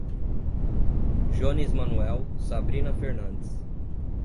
Jones Manoel, Sabrina Fernandes